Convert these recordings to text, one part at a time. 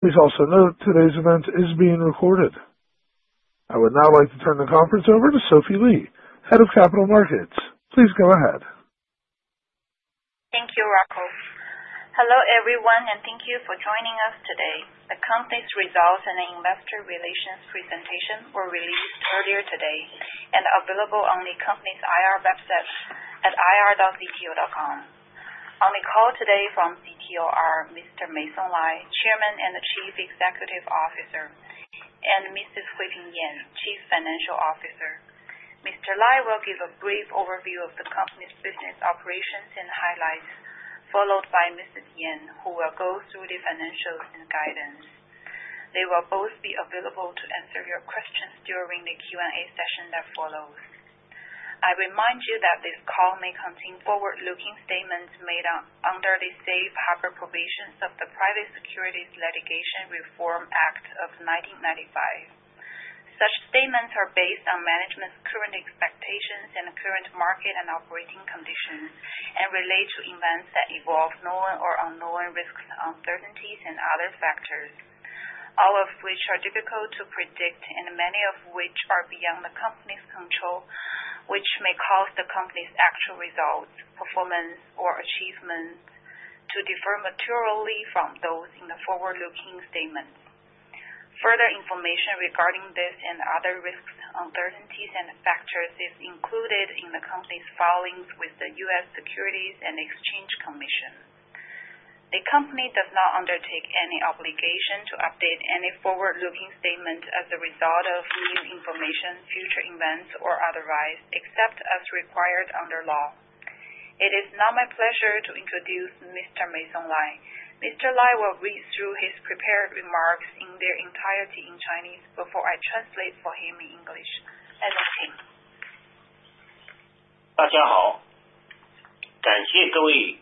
Please also note today's event is being recorded. I would now like to turn the conference over to Sophie Li, Head of Capital Markets. Please go ahead. Thank you, Rocco. Hello, everyone, and thank you for joining us today. The company's results and investor relations presentation were released earlier today and are available on the company's IR website at irzto.com. On the call today from ZTO are Mr. Meisong Lai, Chairman and Chief Executive Officer, and Mrs. Huiping Yan, Chief Financial Officer. Mr. Lai will give a brief overview of the company's business operations and highlights, followed by Mrs. Yan, who will go through the financials and guidance. They will both be available to answer your questions during the Q&A session that follows. I remind you that this call may contain forward-looking statements made under the safe harbor provisions of the Private Securities Litigation Reform Act of 1995. Such statements are based on management's current expectations and current market and operating conditions, and relate to events that involve known or unknown risks, uncertainties, and other factors, all of which are difficult to predict, and many of which are beyond the company's control, which may cause the company's actual results, performance, or achievements to differ materially from those in the forward-looking statements. Further information regarding this and other risks, uncertainties, and factors is included in the company's filings with the U.S. Securities and Exchange Commission. The company does not undertake any obligation to update any forward-looking statement as a result of new information, future events, or otherwise, except as required under law. It is now my pleasure to introduce Mr. Meisong Lai. Mr. Lai will read through his prepared remarks in their entirety in Chinese before I translate for him in English. Hello, team.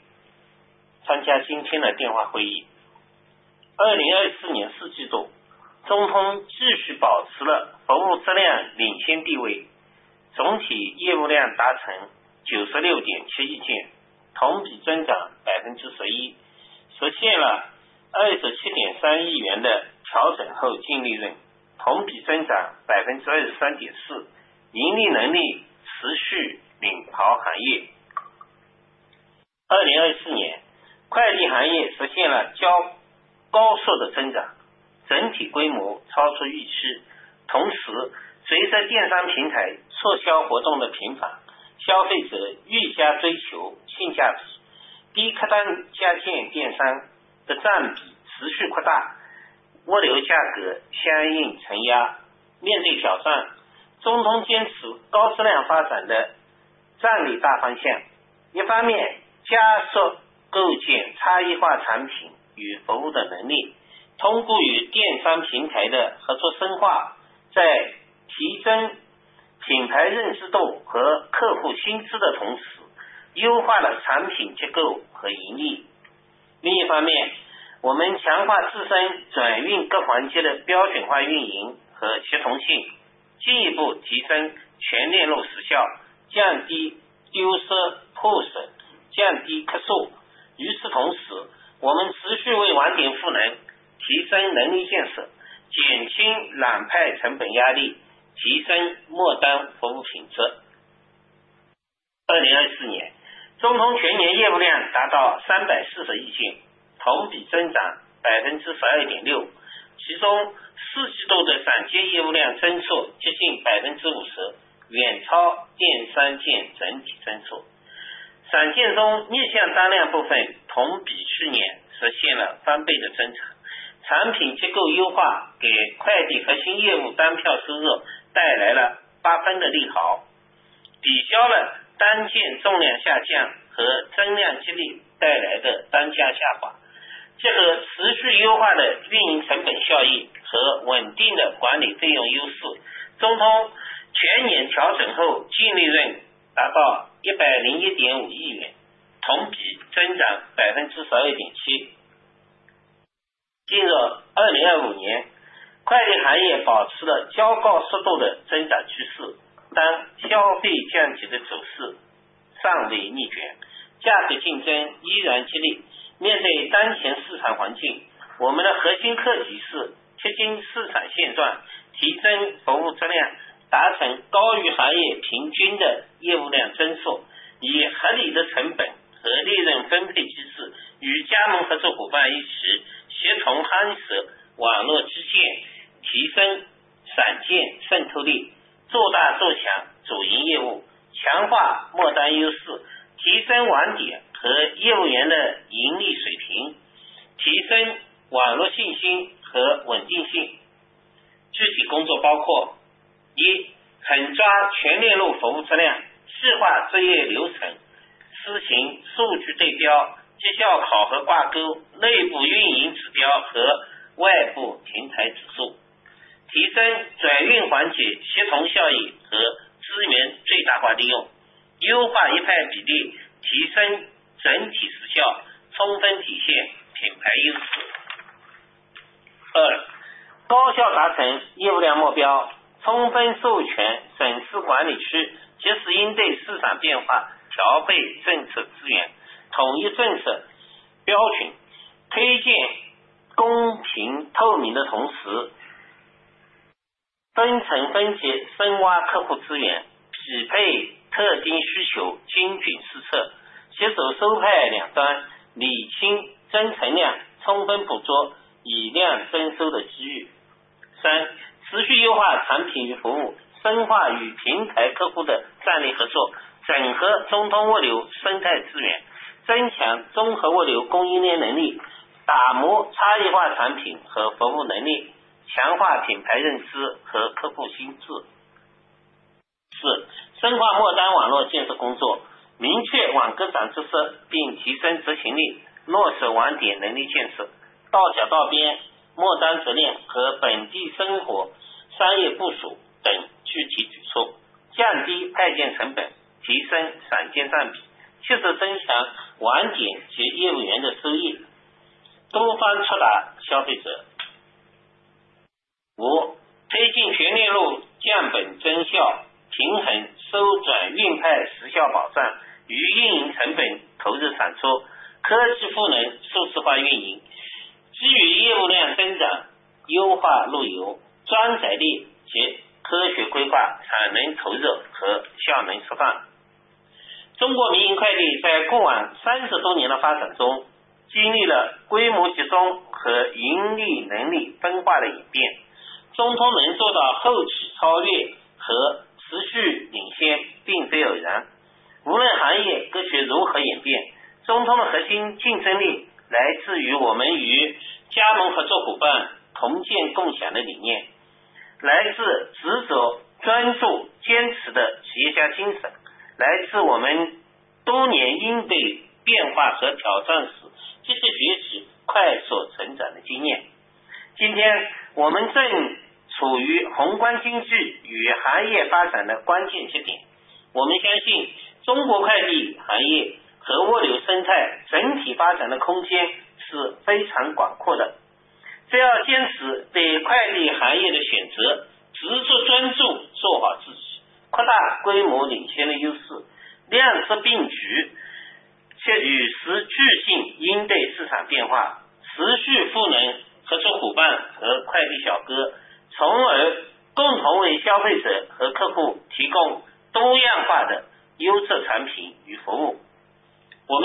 Thank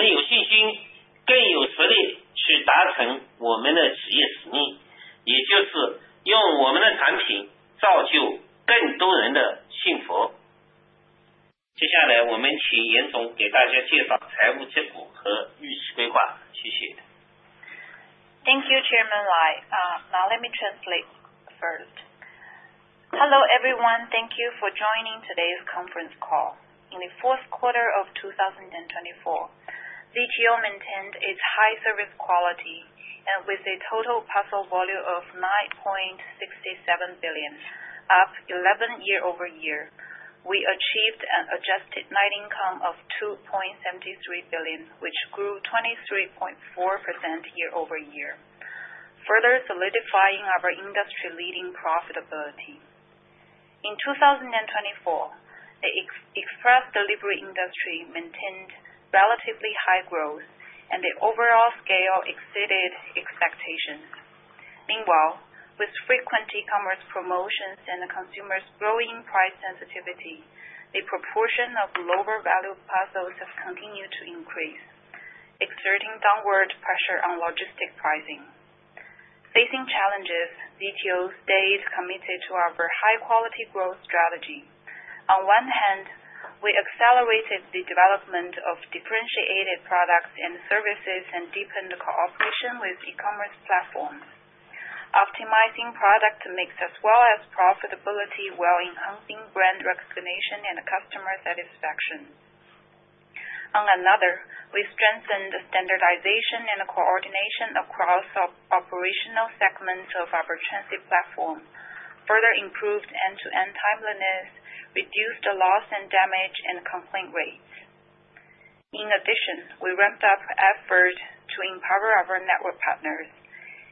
you, Chairman Lai. Now let me translate first. Hello, everyone. Thank you for joining today's conference call. In the fourth quarter of 2024, ZTO maintained its high service quality, and with a total parcel volume of 9.67 billion, up 11% year-over-year, we achieved an adjusted net income of 2.73 billion, which grew 23.4% year-over-year, further solidifying our industry-leading profitability. In 2024, the express delivery industry maintained relatively high growth, and the overall scale exceeded expectations. Meanwhile, with frequent e-commerce promotions and consumers' growing price sensitivity, the proportion of lower-value parcels has continued to increase, exerting downward pressure on logistic pricing. Facing challenges, ZTO stays committed to our high-quality growth strategy. On one hand, we accelerated the development of differentiated products and services and deepened cooperation with e-commerce platforms, optimizing product mix as well as profitability while enhancing brand recognition and customer satisfaction. On another, we strengthened standardization and coordination across operational segments of our transit platform, further improved end-to-end timeliness, reduced the loss and damage and complaint rates. In addition, we ramped up efforts to empower our network partners,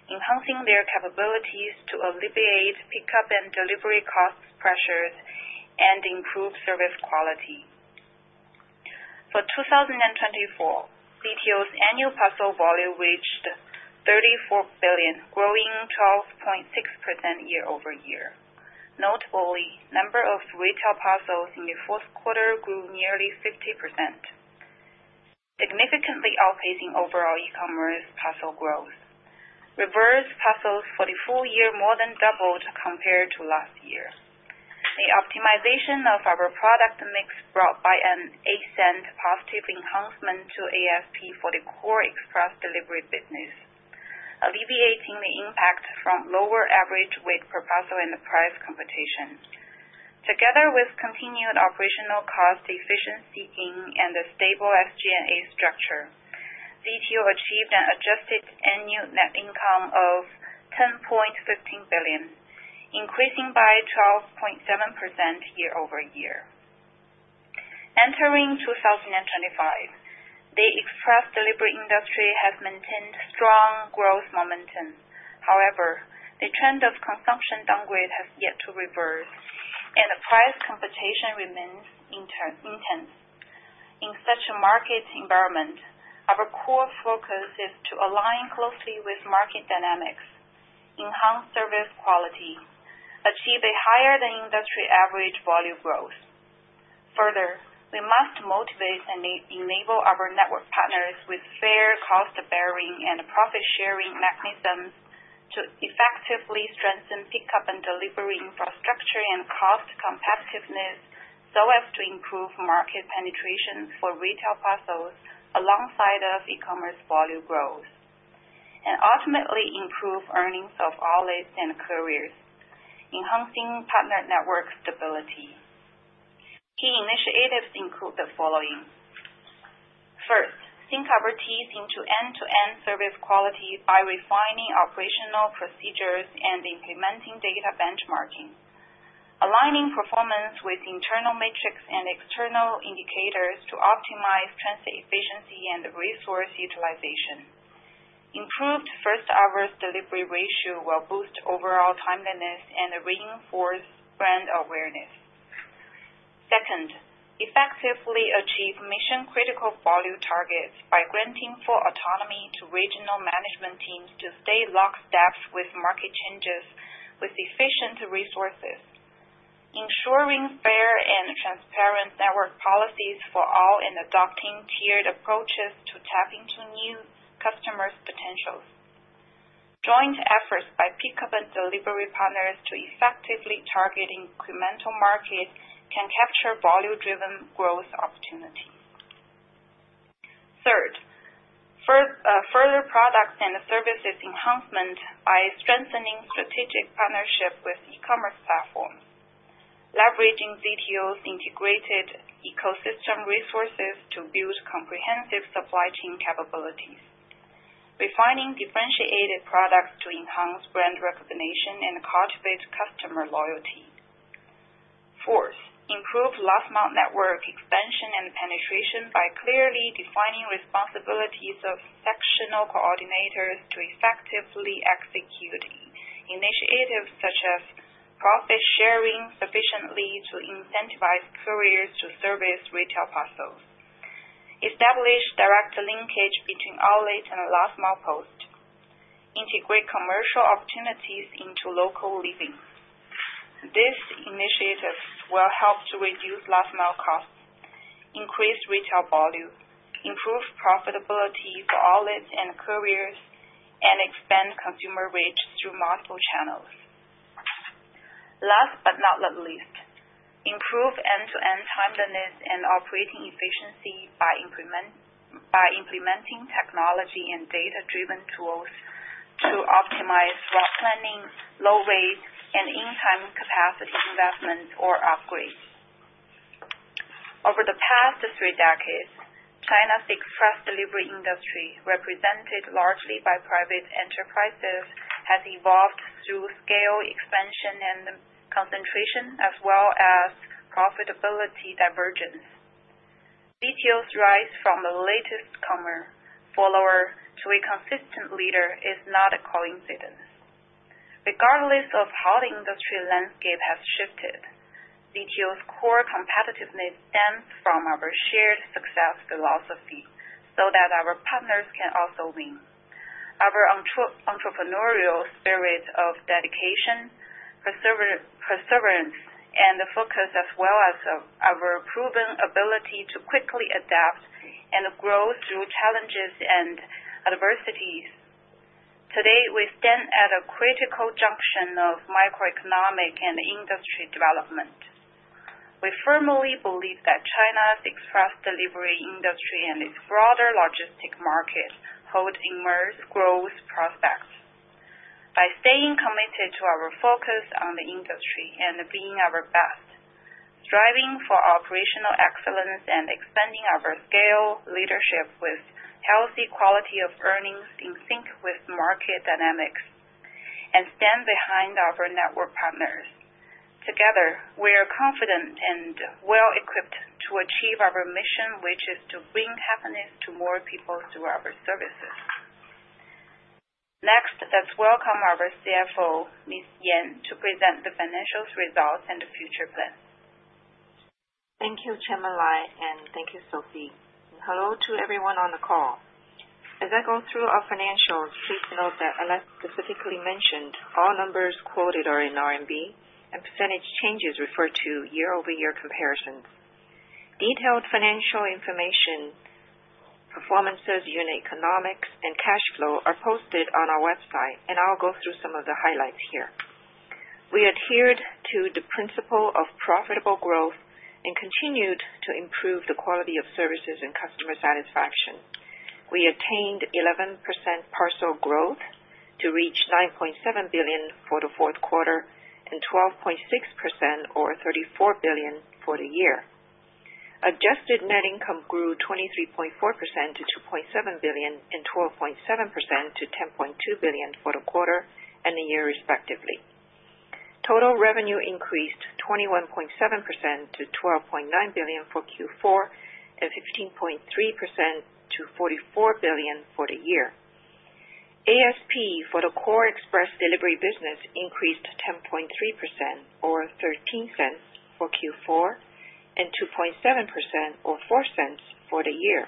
enhancing their capabilities to alleviate pickup and delivery cost pressures and improve service quality. For 2024, ZTO's annual parcel volume reached 34 billion, growing 12.6% year-over-year. Notably, the number of retail parcels in the fourth quarter grew nearly 50%, significantly outpacing overall e-commerce parcel growth. Reverse parcels for the full year more than doubled compared to last year. The optimization of our product mix brought by an ASP and positive enhancement to ASP for the core express delivery business, alleviating the impact from lower average weight per parcel and price computation. Together with continued operational cost efficiency and a stable SG&A structure, ZTO achieved an adjusted annual net income of 10.15 billion, increasing by 12.7% year-over-year. Entering 2025, the express delivery industry has maintained strong growth momentum. However, the trend of consumption downgrade has yet to reverse, and the price competition remains intense. In such a market environment, our core focus is to align closely with market dynamics, enhance service quality, achieve a higher-than-industry average volume growth. Further, we must motivate and enable our network partners with fair cost-bearing and profit-sharing mechanisms to effectively strengthen pickup and delivery infrastructure and cost competitiveness so as to improve market penetration for retail parcels alongside e-commerce volume growth, and ultimately improve earnings of outlets and couriers, enhancing partner network stability. Key initiatives include the following: first, sink our teeth into end-to-end service quality by refining operational procedures and implementing data benchmarking, aligning performance with internal metrics and external indicators to optimize transit efficiency and resource utilization, improved first-hour delivery ratio while boosting overall timeliness and reinforcing brand awareness. Second, effectively achieve mission-critical volume targets by granting full autonomy to regional management teams to stay lock-step with market changes with efficient resources, ensuring fair and transparent network policies for all and adopting tiered approaches to tap into new customers' potentials. Joint efforts by pickup and delivery partners to effectively target incremental markets can capture volume-driven growth opportunities. Third, further products and services enhancement by strengthening strategic partnerships with e-commerce platforms, leveraging ZTO's integrated ecosystem resources to build comprehensive supply chain capabilities, refining differentiated products to enhance brand recognition and cultivate customer loyalty. Fourth, improve last-mile network expansion and penetration by clearly defining responsibilities of sectional coordinators to effectively execute initiatives such as profit-sharing sufficiently to incentivize couriers to service retail parcels. Establish direct linkage between outlet and last-mile post. Integrate commercial opportunities into local living. These initiatives will help to reduce last-mile costs, increase retail volume, improve profitability for outlets and couriers, and expand consumer reach through multiple channels. Last but not least, improve end-to-end timeliness and operating efficiency by implementing technology and data-driven tools to optimize route planning, load rate, and in-time capacity investments or upgrades. Over the past three decades, China's express delivery industry, represented largely by private enterprises, has evolved through scale expansion and concentration as well as profitability divergence. ZTO's rise from the latecomer follower to a consistent leader is not a coincidence. Regardless of how the industry landscape has shifted, ZTO's core competitiveness stems from our shared success philosophy so that our partners can also win. Our entrepreneurial spirit of dedication, perseverance, and focus, as well as our proven ability to quickly adapt and grow through challenges and adversities, today we stand at a critical junction of macroeconomic and industry development. We firmly believe that China's express delivery industry and its broader logistic market hold immense growth prospects. By staying committed to our focus on the industry and being our best, striving for operational excellence, and expanding our scale leadership with healthy quality of earnings in sync with market dynamics, and stand behind our network partners, together, we are confident and well-equipped to achieve our mission, which is to bring happiness to more people through our services. Next, let's welcome our CFO, Ms. Yan, to present the financials results and the future plans. Thank you, Chairman Lai, and thank you, Sophie. Hello to everyone on the call. As I go through our financials, please note that as I specifically mentioned, all numbers quoted are in RMB, and percentage changes refer to year-over-year comparisons. Detailed financial information, performances in economics, and cash flow are posted on our website, and I'll go through some of the highlights here. We adhered to the principle of profitable growth and continued to improve the quality of services and customer satisfaction. We attained 11% parcel growth to reach 9.7 billion for the fourth quarter and 12.6% or 34 billion for the year. Adjusted net income grew 23.4% to 2.7 billion and 12.7% to 10.2 billion for the quarter and the year respectively. Total revenue increased 21.7% to 12.9 billion for Q4 and 15.3% to 44 billion for the year. ASP for the core express delivery business increased 10.3% or 0.13 for Q4 and 2.7% or 0.04 for the year.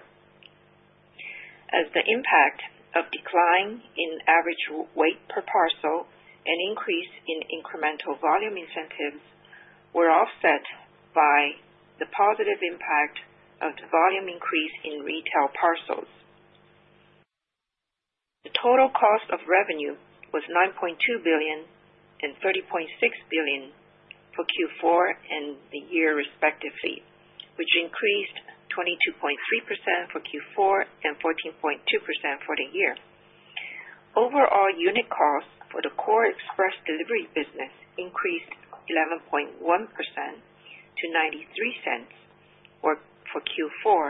As the impact of decline in average weight per parcel and increase in incremental volume incentives were offset by the positive impact of the volume increase in retail parcels, the total cost of revenue was 9.2 billion and 30.6 billion for Q4 and the year respectively, which increased 22.3% for Q4 and 14.2% for the year. Overall unit cost for the core express delivery business increased 11.1% to 0.93 for Q4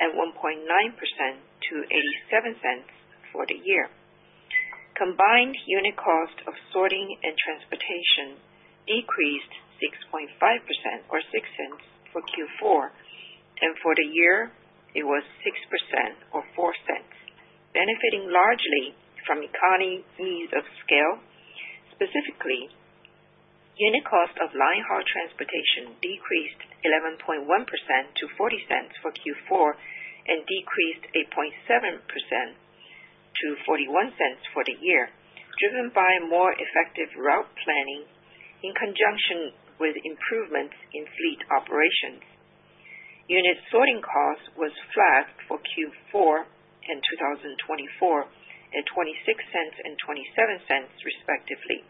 and 1.9% to 0.87 for the year. Combined unit cost of sorting and transportation decreased 6.5% or 0.06 for Q4, and for the year, it was 6% or 0.04, benefiting largely from economies of scale. Specifically, unit cost of line-haul transportation decreased 11.1% to 0.40 for Q4 and decreased 8.7% to 0.41 for the year, driven by more effective route planning in conjunction with improvements in fleet operations. Unit sorting cost was flat for Q4 and 2024 at RMB 0.26 and 0.27 respectively.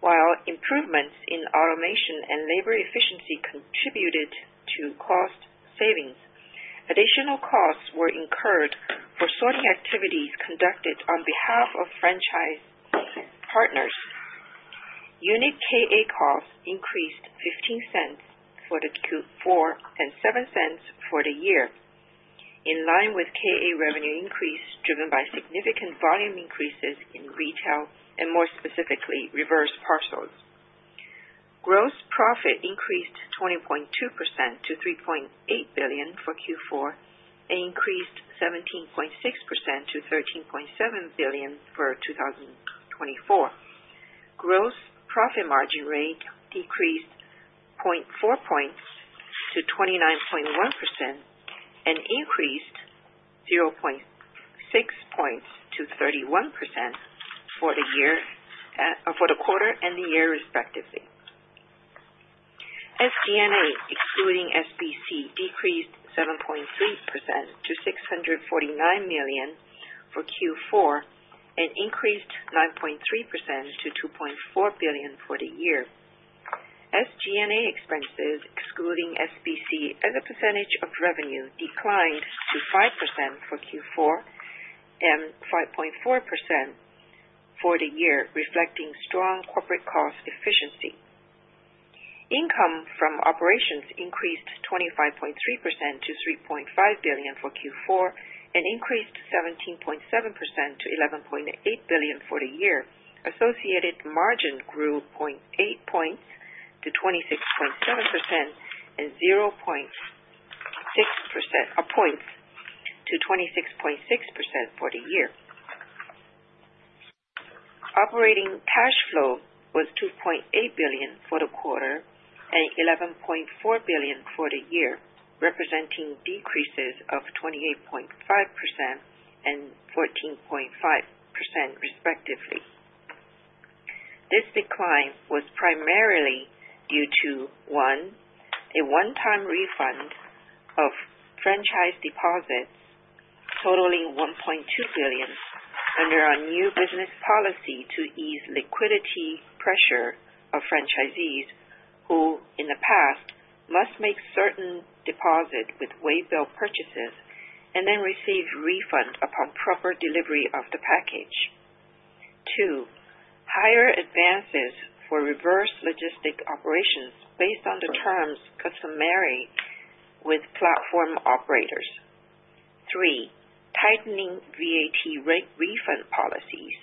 While improvements in automation and labor efficiency contributed to cost savings, additional costs were incurred for sorting activities conducted on behalf of franchise partners. Unit KA cost increased 0.15 for the Q4 and 0.07 for the year, in line with KA revenue increase driven by significant volume increases in retail and, more specifically, reverse parcels. Gross profit increased 20.2% to 3.8 billion for Q4 and increased 17.6% to 13.7 billion for 2024. Gross profit margin rate decreased 0.4 percentage points to 29.1% and increased 0.6 percentage points to 31% for the quarter and the year respectively. SG&A, excluding SBC, decreased 7.3% to 649 million for Q4 and increased 9.3% to 2.4 billion for the year. SG&A expenses, excluding SBC, as a percentage of revenue declined to 5% for Q4 and 5.4% for the year, reflecting strong corporate cost efficiency. Income from operations increased 25.3% to RMB 3.5 billion for Q4 and increased 17.7% to RMB 11.8 billion for the year. Associated margin grew 0.8 percentage points to 26.7% and 0.6 percentage points to 26.6% for the year. Operating cash flow was 2.8 billion for the quarter and 11.4 billion for the year, representing decreases of 28.5% and 14.5% respectively. This decline was primarily due to, one, a one-time refund of franchise deposits totaling 1.2 billion under our new business policy to ease liquidity pressure of franchisees who, in the past, must make certain deposits with waybill purchases and then receive refund upon proper delivery of the package; two, higher advances for reverse logistic operations based on the terms customary with platform operators; three, tightening VAT refund policies;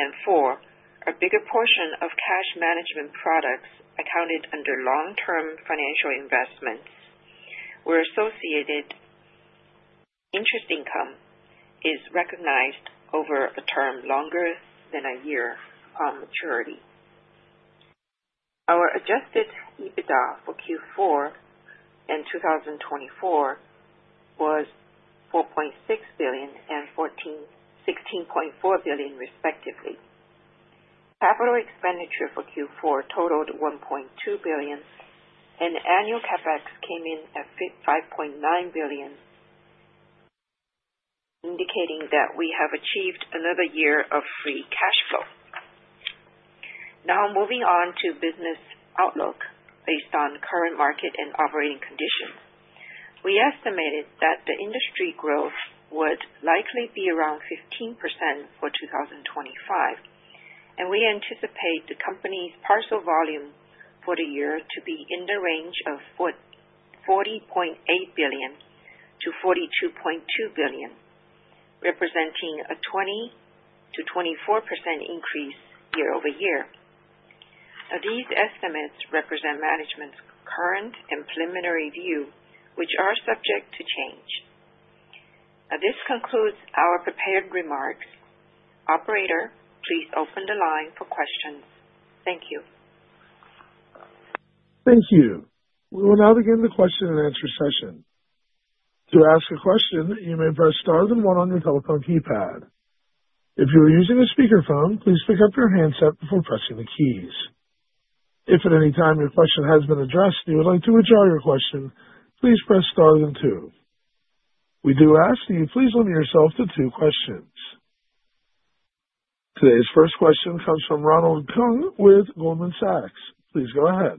and four, a bigger portion of cash management products accounted under long-term financial investments where associated interest income is recognized over a term longer than a year upon maturity. Our adjusted EBITDA for Q4 and 2024 was 4.6 billion and 16.4 billion respectively. Capital expenditure for Q4 totaled 1.2 billion, and annual CapEx came in at 5.9 billion, indicating that we have achieved another year of free cash flow. Now, moving on to business outlook based on current market and operating conditions, we estimated that the industry growth would likely be around 15% for 2025, and we anticipate the company's parcel volume for the year to be in the range of 40.8 billion-42.2 billion, representing a 20% to 24% increase year over year. Now, these estimates represent management's current and preliminary view, which are subject to change. Now, this concludes our prepared remarks. Operator, please open the line for questions. Thank you. Thank you. We will now begin the question and answer session. To ask a question, you may press star then one on your telephone keypad. If you are using a speakerphone, please pick up your handset before pressing the keys. If at any time your question has been addressed and you would like to withdraw your question, please press star then two. We do ask that you please limit yourself to two questions. Today's first question comes from Ronald Keung with Goldman Sachs. Please go ahead.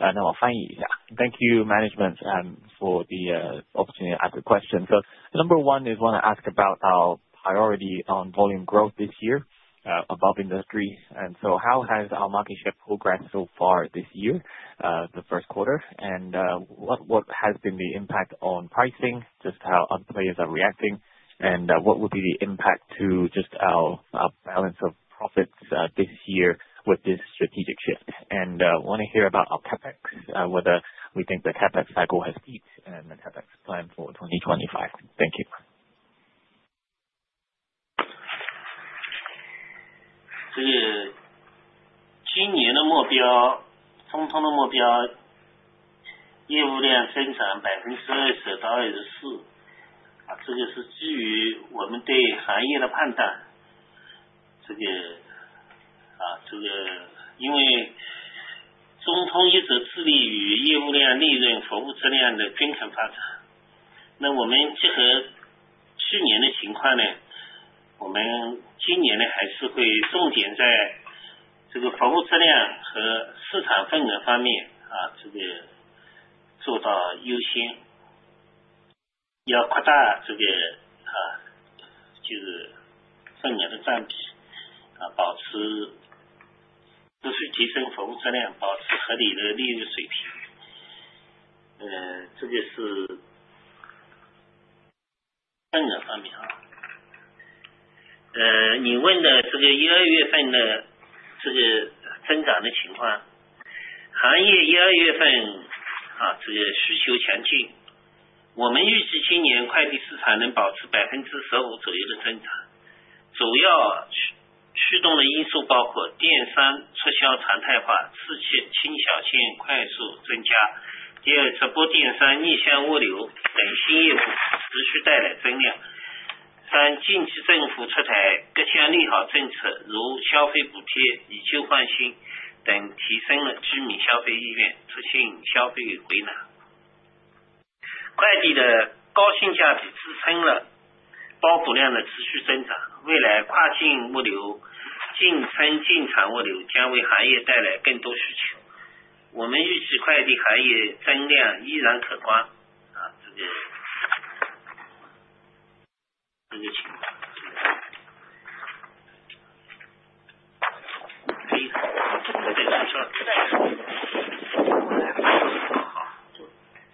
Thank you, management, for the opportunity to ask a question. Number one is want to ask about our priority on volume growth this year, above industry. How has our market share progressed so far this year, the first quarter? What has been the impact on pricing, just how other players are reacting? What would be the impact to just our balance of profits this year with this strategic shift? Want to hear about our CapEx, whether we think the CapEx cycle has peaked and the CapEx plan for 2025. Thank you.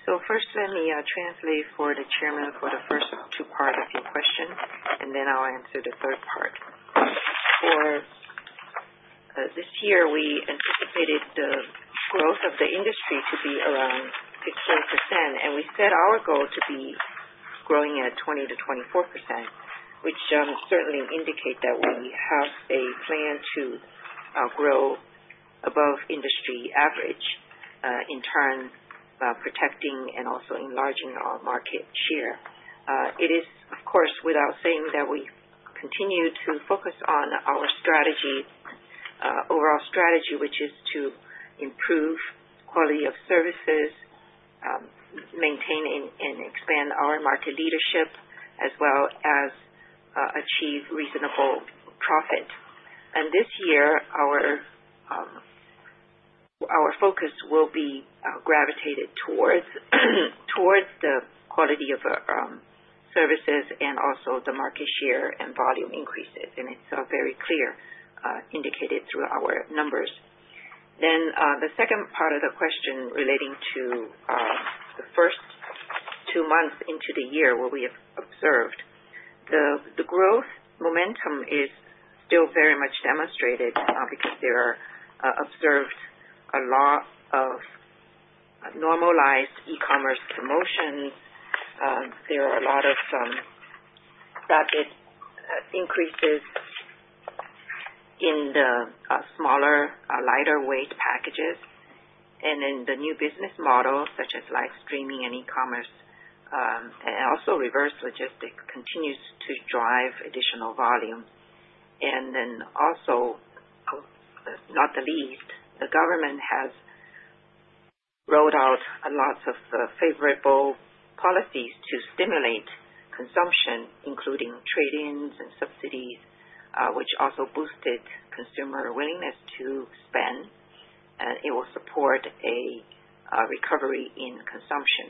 First, let me translate for the Chairman for the first two parts of your question, and then I'll answer the third part. For this year we anticipated the growth of the industry to be around 15%, and we set our goal to be growing at 20% to 24%, which certainly indicate that we have a plan to grow above industry average, in turn, protecting and also enlarging our market share. It is, of course, without saying that we continue to focus on our strategy, overall strategy, which is to improve quality of services, maintain and expand our market leadership, as well as achieve reasonable profit. This year our focus will be gravitated towards the quality of services and also the market share and volume increases, and it's very clear, indicated through our numbers. The second part of the question relating to the first two months into the year, where we have observed the growth momentum is still very much demonstrated, because there are a lot of normalized e-commerce promotions. There are a lot of increases in the smaller, lighter weight packages, and then the new business model such as live streaming and e-commerce, and also reverse logistics continues to drive additional volume. Also, not the least, the government has rolled out lots of favorable policies to stimulate consumption, including trade-ins and subsidies, which also boosted consumer willingness to spend, and it will support a recovery in consumption.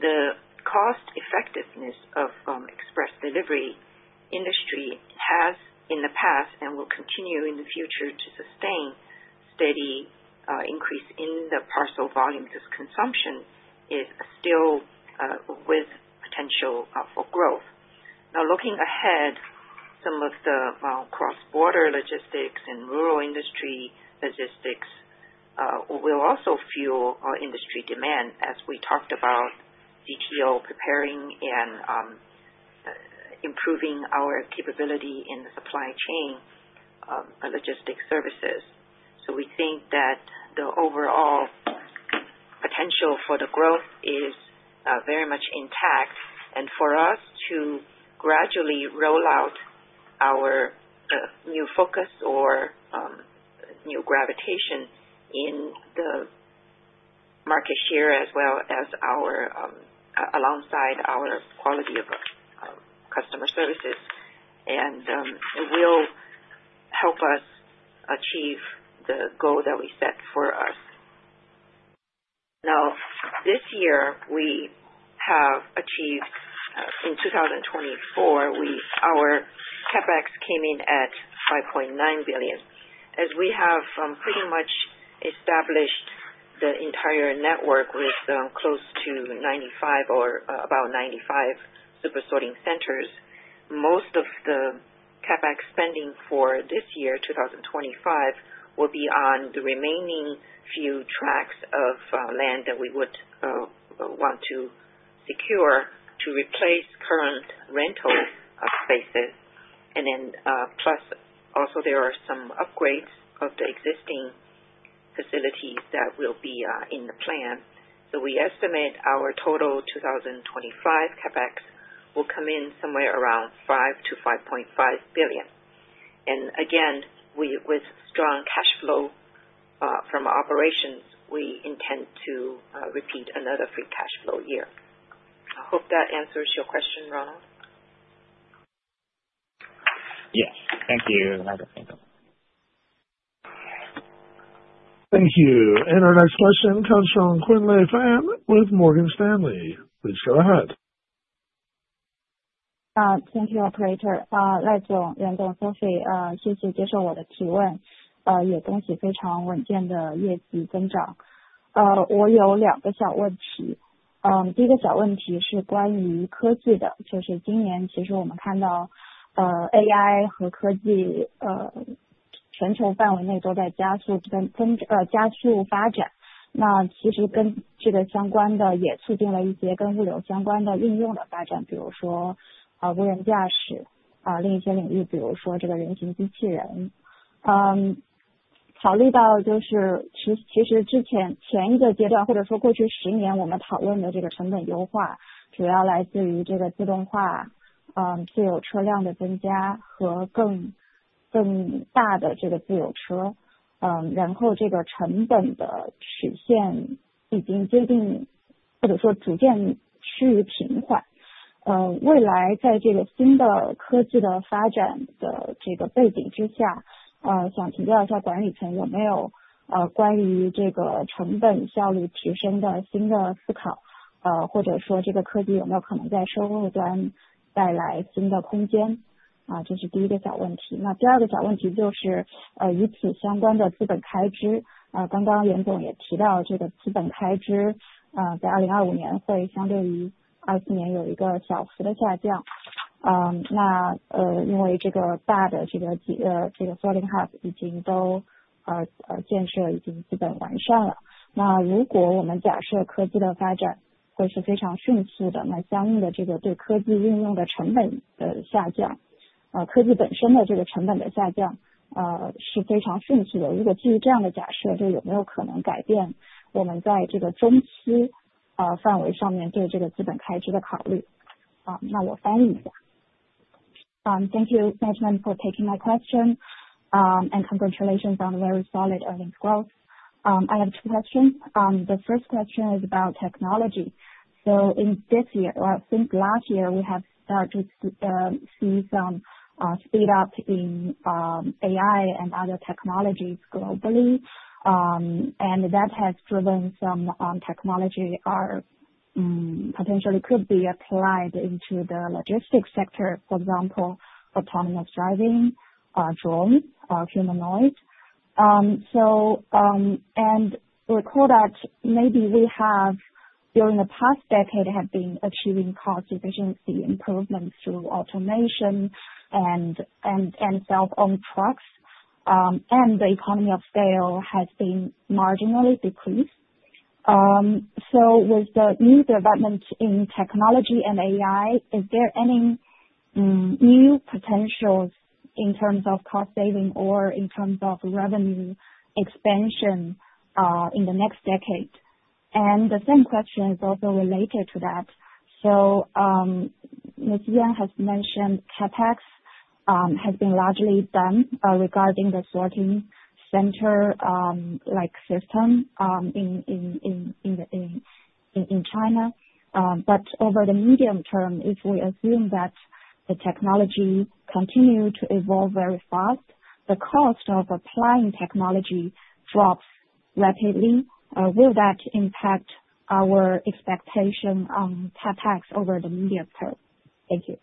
The cost effectiveness of the express delivery industry has in the past and will continue in the future to sustain steady increase in the parcel volume to consumption is still with potential for growth. Now, looking ahead, some of the cross-border logistics and rural industry logistics will also fuel our industry demand as we talked about ZTO preparing and improving our capability in the supply chain logistics services. We think that the overall potential for the growth is very much intact, and for us to gradually roll out our new focus or new gravitation in the market share as well as our, alongside our quality of customer services, and it will help us achieve the goal that we set for us. Now, this year we have achieved, in 2024, our CapEx came in at 5.9 billion. As we have pretty much established the entire network with close to 95 or about 95 super sorting centers, most of the CapEx spending for this year, 2025, will be on the remaining few tracks of land that we would want to secure to replace current rental spaces. Plus also there are some upgrades of the existing facilities that will be in the plan. We estimate our total 2025 CapEx will come in somewhere around 5 billion-5.5 billion. Again, with strong cash flow from our operations, we intend to repeat another free cash flow year. I hope that answers your question, Ronald. Yes, thank you. Thank you. Our next question comes from Qianlei Fan with Morgan Stanley. Please go ahead. and technology itself will decrease rapidly, based on this assumption, is it possible to change our consideration of CapEx in the medium term? Let me translate. Thank you, management, for taking my question, and congratulations on the very solid earnings growth. I have two questions. The first question is about technology. In this year, since last year we have started to see some speed up in AI and other technologies globally, and that has driven some technology that potentially could be applied into the logistics sector, for example, autonomous driving, drones, humanoids. I recall that maybe during the past decade we have been achieving cost efficiency improvements through automation and self-owned trucks, and the economy of scale has been marginally decreased. With the new development in technology and AI, is there any new potential in terms of cost saving or in terms of revenue expansion in the next decade? The same question is also related to that. Ms. Yan has mentioned CapEx has been largely done regarding the sorting center, like system, in China. Over the medium term, if we assume that the technology continue to evolve very fast, the cost of applying technology drops rapidly. Will that impact our expectation on CapEx over the medium term? Thank you.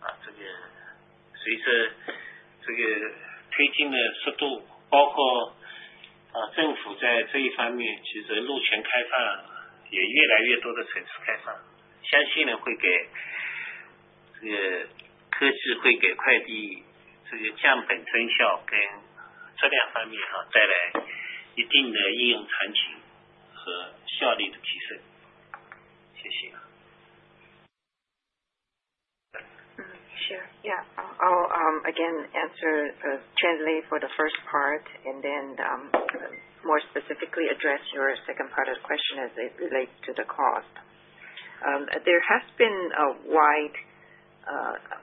Sure, yeah. I'll again answer, translate for the first part, and then more specifically address your second part of the question as it relates to the cost. There has been a wide,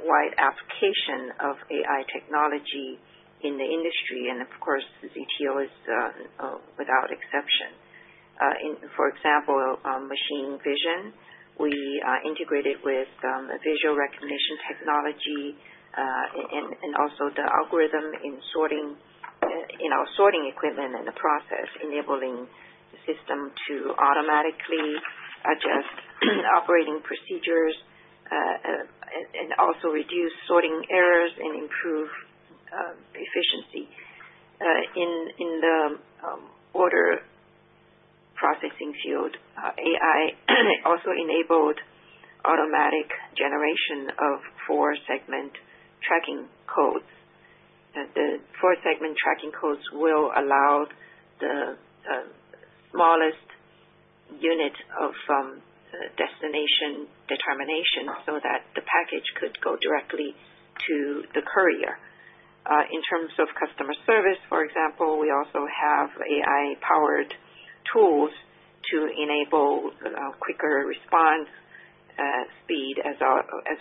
wide application of AI technology in the industry, and of course ZTO is, without exception. In, for example, machine vision, we integrated with a visual recognition technology, and also the algorithm in sorting, in our sorting equipment and the process, enabling the system to automatically adjust operating procedures, and also reduce sorting errors and improve efficiency. In the order processing field, AI also enabled automatic generation of four-segment tracking codes. The four-segment tracking codes will allow the smallest unit of destination determination so that the package could go directly to the courier. In terms of customer service, for example, we also have AI-powered tools to enable quicker response speed as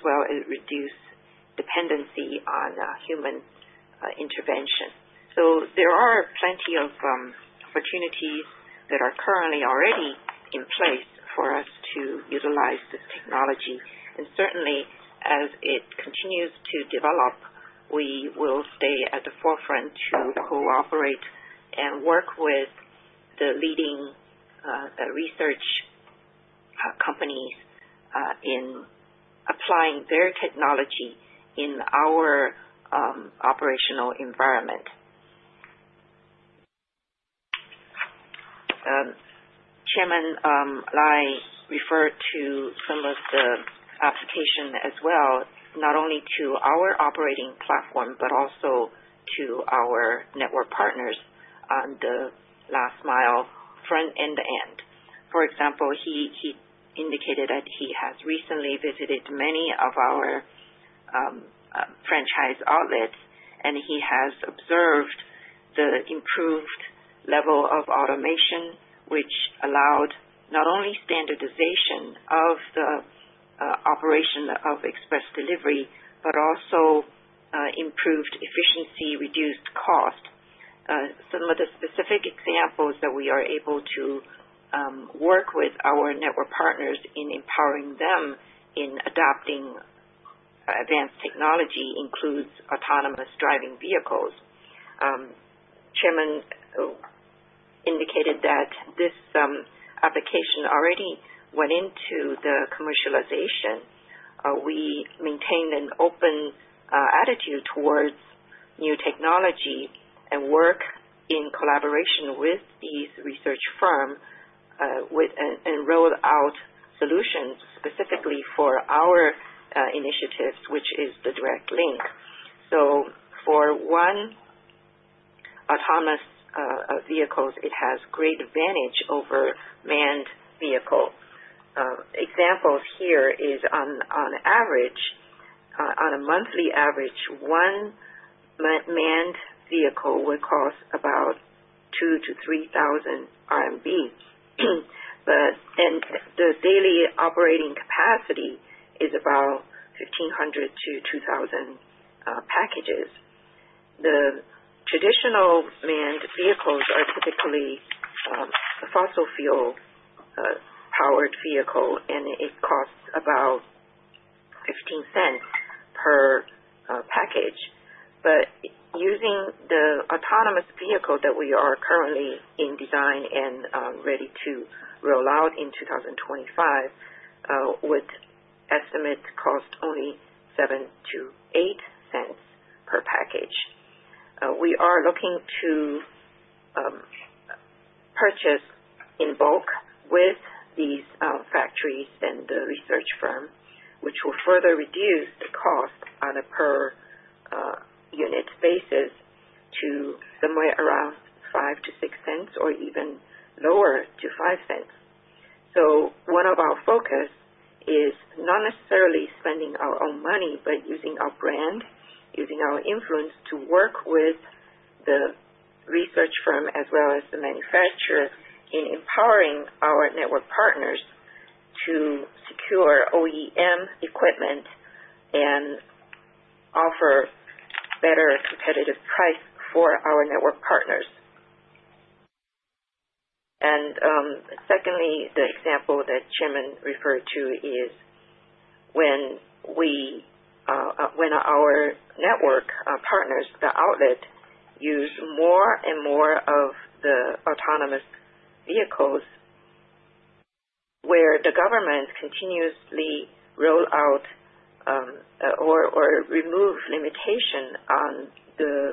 well as reduce dependency on human intervention. There are plenty of opportunities that are currently already in place for us to utilize this technology. Certainly, as it continues to develop, we will stay at the forefront to cooperate and work with the leading research companies in applying their technology in our operational environment. Chairman, I refer to some of the application as well, not only to our operating platform, but also to our network partners on the last mile front end to end. For example, he indicated that he has recently visited many of our franchise outlets, and he has observed the improved level of automation, which allowed not only standardization of the operation of express delivery, but also improved efficiency, reduced cost. Some of the specific examples that we are able to work with our network partners in empowering them in adopting advanced technology includes autonomous driving vehicles. Chairman indicated that this application already went into the commercialization. We maintained an open attitude towards new technology and work in collaboration with these research firm, with, and rolled out solutions specifically for our initiatives, which is the direct link. For one, autonomous vehicles, it has great advantage over manned vehicles. Examples here is on average, on a monthly average, one manned vehicle would cost about 2,000 to 3,000 RMB, and the daily operating capacity is about 1,500 to 2,000 packages. The traditional manned vehicles are typically fossil fuel powered vehicle, and it costs about 0.15 per package. Using the autonomous vehicle that we are currently in design and ready to roll out in 2025, would estimate cost only 0.7 to 0.8 per package. We are looking to purchase in bulk with these factories and the research firm, which will further reduce the cost on a per unit basis to somewhere around 0.5 to 0.6 or even lower to 0.5. One of our focus is not necessarily spending our own money, but using our brand, using our influence to work with the research firm as well as the manufacturer in empowering our network partners to secure OEM equipment and offer better competitive price for our network partners. Secondly, the example that Chairman referred to is when we, when our network partners, the outlet, use more and more of the autonomous vehicles, where the government continuously roll out, or remove limitation on the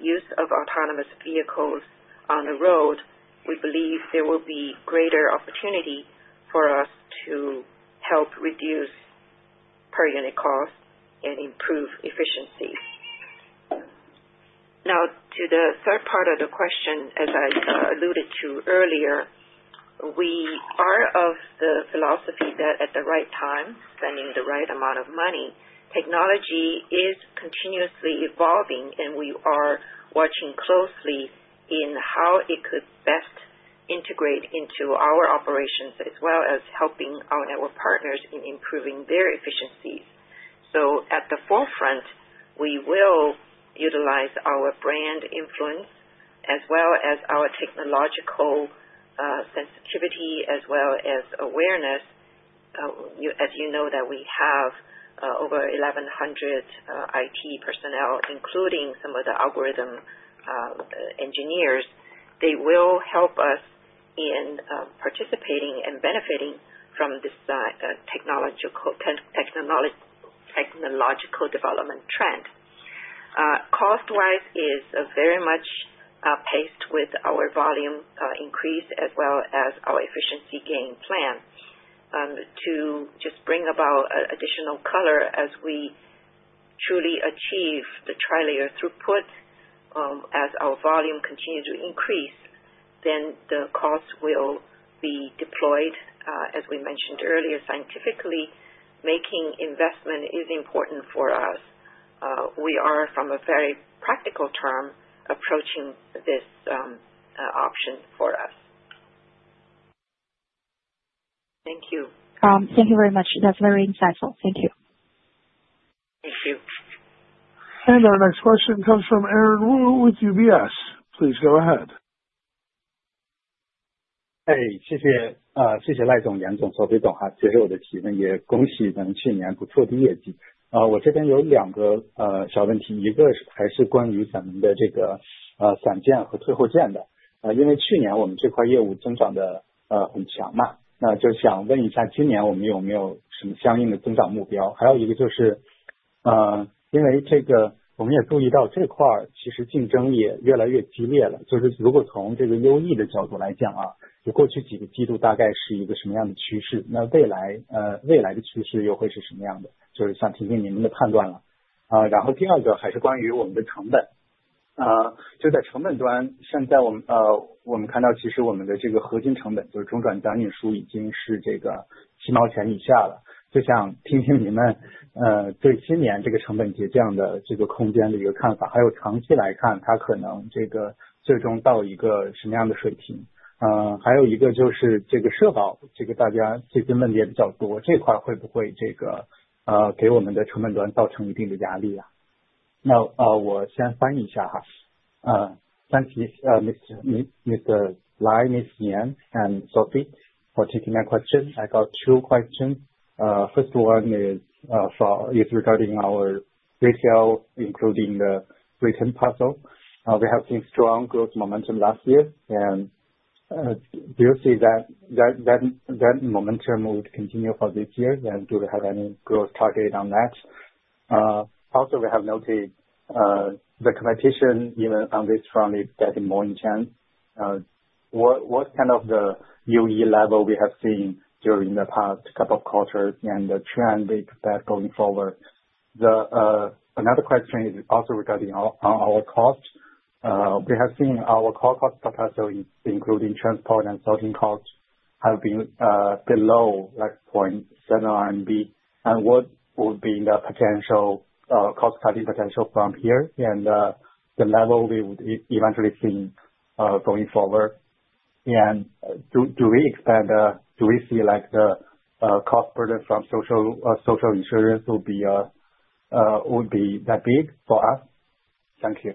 use of autonomous vehicles on the road, we believe there will be greater opportunity for us to help reduce per unit cost and improve efficiency. Now, to the third part of the question, as I alluded to earlier, we are of the philosophy that at the right time, spending the right amount of money, technology is continuously evolving, and we are watching closely in how it could best integrate into our operations as well as helping our network partners in improving their efficiencies. At the forefront, we will utilize our brand influence as well as our technological sensitivity as well as awareness. You, as you know, that we have over 1,100 IT personnel, including some of the algorithm engineers. They will help us in participating and benefiting from this technological, technological development trend. Cost-wise, it is very much paced with our volume increase as well as our efficiency gain plan. To just bring about additional color, as we truly achieve the tri-layer throughput, as our volume continues to increase, then the cost will be deployed, as we mentioned earlier, scientifically. Making investment is important for us. We are, from a very practical term, approaching this option for us. Thank you. Thank you very much. That's very insightful. Thank you. Thank you. Our next question comes from Aaron Wu with UBS. Please go ahead. Thank you, Mr. Lai, Ms. Yan, and Sophie for taking my question. I got two questions. First one is regarding our retail, including the retail parcel. We have seen strong growth momentum last year, and do you see that momentum would continue for this year? And do we have any growth target on that? Also we have noticed the competition, even on this front, is getting more intense. What kind of the UE level we have seen during the past couple of quarters and the trend we expect going forward? Another question is also regarding our cost. We have seen our core cost per parcel, including transport and sorting cost, have been below like 0.7. What would be the potential cost-cutting potential from here and the level we would eventually see going forward? Do we expand, do we see like the cost burden from social insurance will be, would be that big for us? Thank you.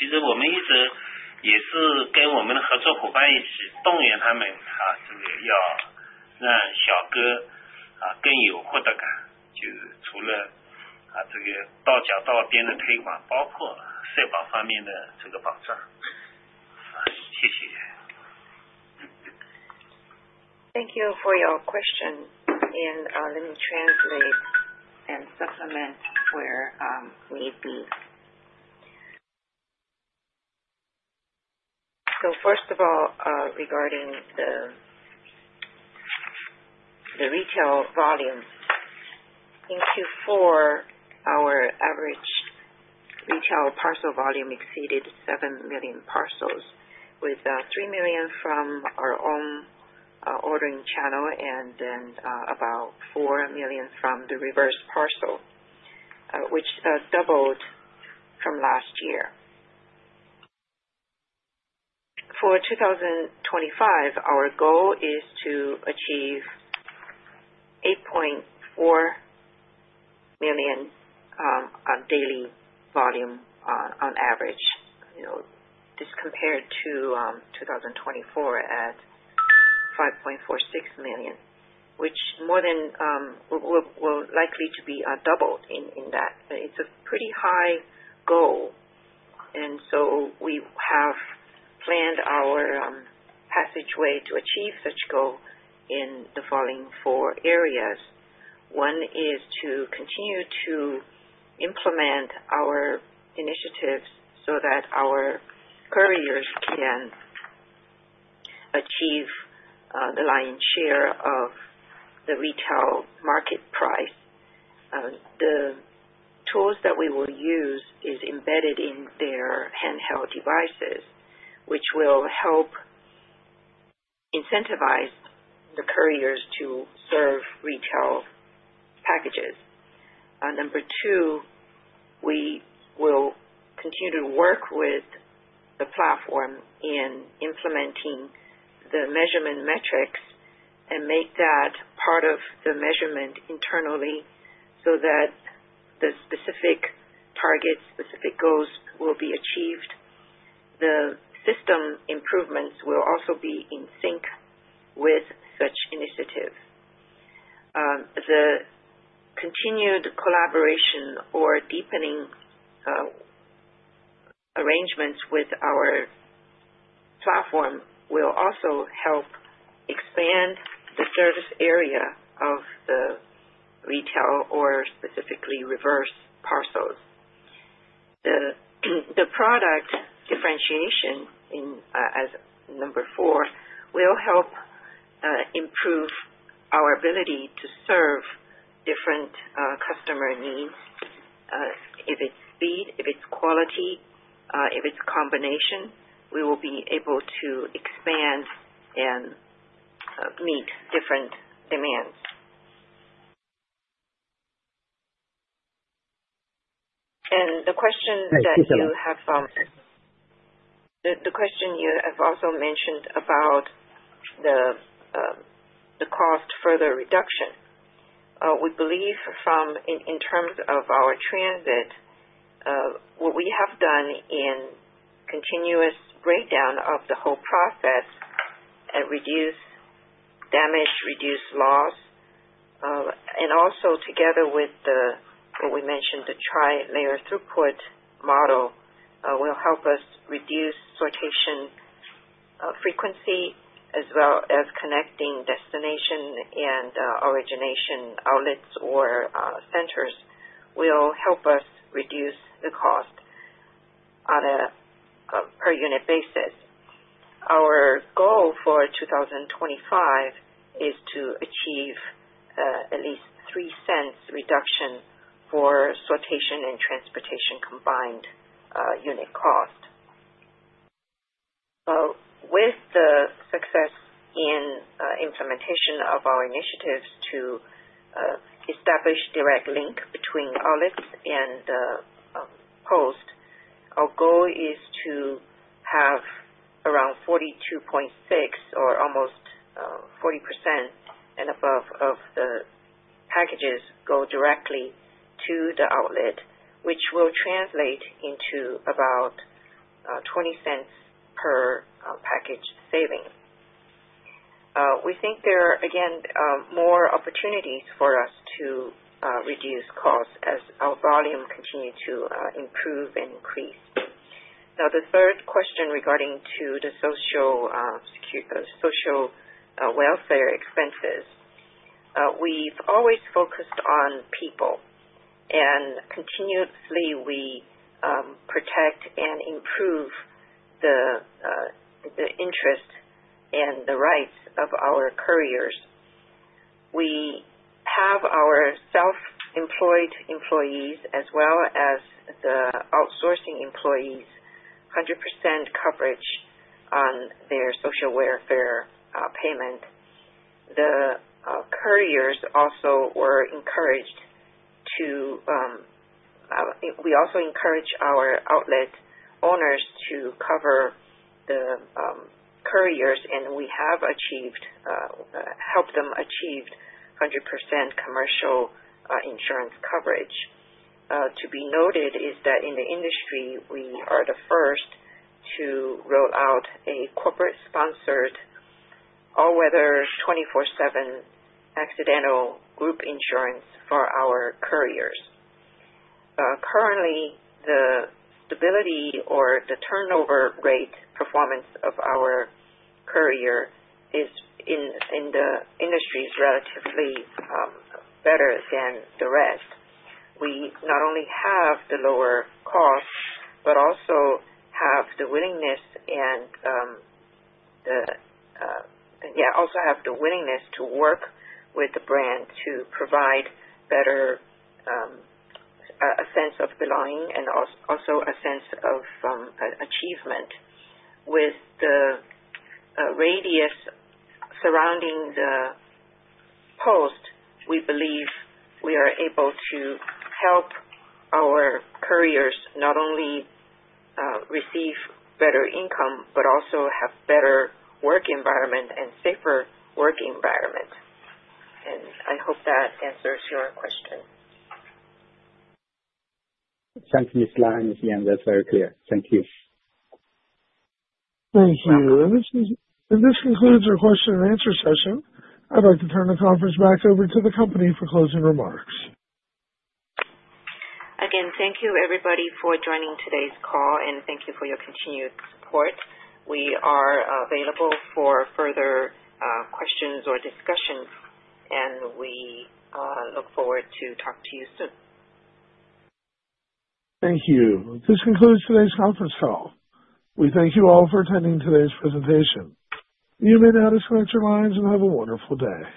Thank you for your question, and let me translate and supplement where we be. First of all, regarding the retail volume, in Q4, our average retail parcel volume exceeded seven million parcels, with three million from our own ordering channel and about four million from the reverse parcel, which doubled from last year. For 2025, our goal is to achieve 8.4 million daily volume, on average. You know, this compared to 2024 at 5.46 million, which more than will likely to be a double in that. It's a pretty high goal, and we have planned our passageway to achieve such goal in the following four areas. One is to continue to implement our initiatives so that our couriers can achieve the lion's share of the retail market price. The tools that we will use are embedded in their handheld devices, which will help incentivize the couriers to serve retail packages. Number two, we will continue to work with the platform in implementing the measurement metrics and make that part of the measurement internally so that the specific targets, specific goals will be achieved. The system improvements will also be in sync with such initiatives. The continued collaboration or deepening arrangements with our platform will also help expand the service area of the retail or specifically reverse parcels. The product differentiation in, as number four, will help improve our ability to serve different customer needs, if it's speed, if it's quality, if it's combination. We will be able to expand and meet different demands. The question you have also mentioned about the cost further reduction. We believe in terms of our transit, what we have done in continuous breakdown of the whole process and reduce damage, reduce loss, and also together with what we mentioned, the tri-layer throughput model, will help us reduce sortation frequency as well as connecting destination and origination outlets or centers will help us reduce the cost on a per unit basis. Our goal for 2025 is to achieve at least 0.03 reduction for sortation and transportation combined unit cost. With the success in implementation of our initiatives to establish direct link between outlets and post, our goal is to have around 42.6% or almost 40% and above of the packages go directly to the outlet, which will translate into about 0.20 per package saving. We think there are, again, more opportunities for us to reduce costs as our volume continues to improve and increase. Now, the third question regarding the social, secure, social, welfare expenses, we've always focused on people, and continuously we protect and improve the interest and the rights of our couriers. We have our self-employed employees as well as the outsourcing employees, 100% coverage on their social welfare payment. The couriers also were encouraged to, we also encourage our outlet owners to cover the couriers, and we have achieved, helped them achieve 100% commercial insurance coverage. To be noted is that in the industry, we are the first to roll out a corporate-sponsored all-weather 24/7 accidental group insurance for our couriers. Currently, the stability or the turnover rate performance of our courier is, in the industry, relatively better than the rest. We not only have the lower cost, but also have the willingness, yeah, also have the willingness to work with the brand to provide better, a sense of belonging and also a sense of achievement. With the radius surrounding the post, we believe we are able to help our couriers not only receive better income, but also have better work environment and safer work environment. I hope that answers your question. Thank you, Ms. Yan. Yeah, that's very clear. Thank you. Thank you. This concludes our question and answer session. I'd like to turn the conference back over to the company for closing remarks. Again, thank you everybody for joining today's call, and thank you for your continued support. We are available for further questions or discussions, and we look forward to talking to you soon. Thank you. This concludes today's conference call. We thank you all for attending today's presentation. You may now disconnect your lines and have a wonderful day.